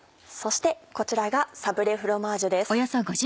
そしてこちらが「サブレフロマージュ」です。